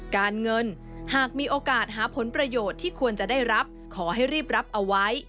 การเงินหากมีโอกาสหาผลประโยชน์ที่ควรจะได้รับขอให้รีบรับเอาไว้